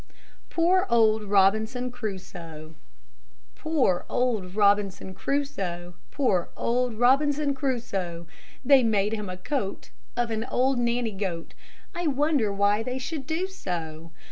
POOR OLD ROBINSON CRUSOE! Poor old Robinson Crusoe! Poor old Robinson Crusoe! They made him a coat Of an old Nanny goat. I wonder why they should do so!